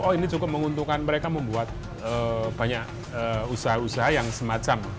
oh ini cukup menguntungkan mereka membuat banyak usaha usaha yang semacam